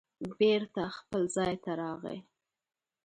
بېرته خپل ځای ته راغی